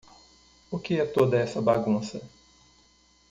O que é toda essa bagunça?